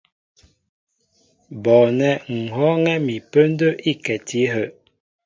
Bɔɔnɛ́ ŋ̀ hɔ́ɔ́ŋɛ́ mi pə́ndə́ íkɛti áhə'.